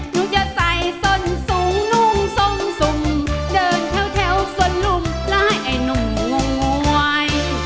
หนูจะใส่ส้นสุ่งนุ่งสมสุ่งเดินแถวแถวสนลุ่มและให้หนุ่งง่วย